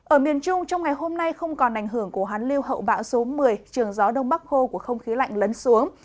ở miền trung trong ngày hôm nay không còn ảnh hưởng của hán lưu hậu bão số một mươi trường gió đông bắc khô của không khí lạnh lấn xuống